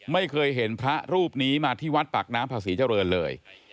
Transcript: ไม่เคยเห็นพระรูปนี้มาที่วัดปากน้ำภาษีเจริญเลย